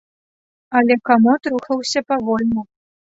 Але камод рухаўся павольна.